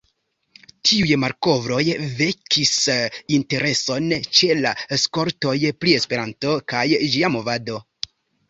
Tiuj malkovroj vekis intereson ĉe la skoltoj pri Esperanto kaj ĝia movado.